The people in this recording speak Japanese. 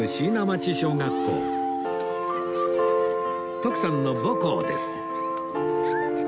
徳さんの母校です